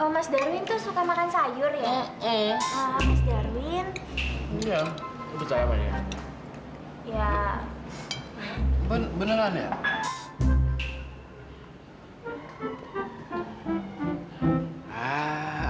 mas darwin tuh suka makan sayur ya